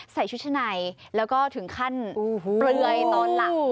ใส่ชุดชะในแล้วก็ถึงขั้นเปลือยตอนหลับ